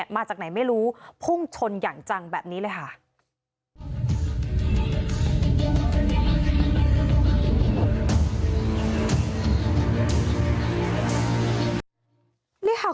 มาจากไหนไม่รู้พุ่งชนอย่างจังแบบนี้เลยค่ะ